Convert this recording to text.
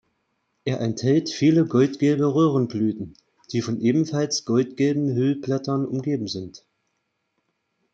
Er enthält viele goldgelbe Röhrenblüten, die von ebenfalls goldgelben Hüllblättern umgeben sind.